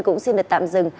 cũng xin được tạm dừng